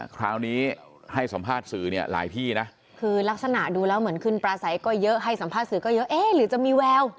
คราวนี้ให้สัมภาษณ์สื่อเนี่ยหลายที่นะคือลักษณะดูแล้วเหมือนขึ้นปลาใสก็เยอะให้สัมภาษณ์สื่อก็เยอะเอ๊ะหรือจะมีแวว